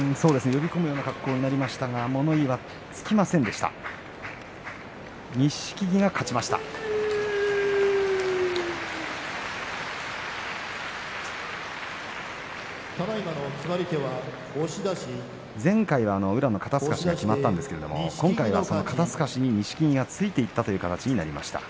呼び込むような格好になりましたが物言いはつきませんでした。